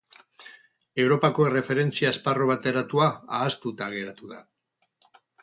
Europako Erreferentzia Esparru Bateratua ahaztuta geratu da.